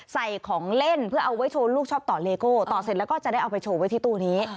ใส่ของเล่นเพื่อเอาไว้โชว์ลูกชอบต่อเลโก้ต่อเสร็จแล้วก็จะได้เอาไปโชว์ไว้ที่ตู้นี้